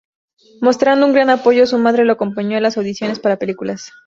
Mostrando un gran apoyo, su madre lo acompañó a las audiciones para películas.